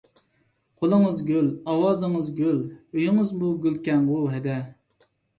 قولىڭىز گۈل، ئاۋازىڭىز گۈل، ئۆيىڭىزمۇ گۈلكەنغۇ ھەدە.